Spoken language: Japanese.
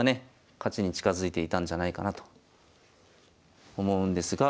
勝ちに近づいていたんじゃないかなと思うんですが。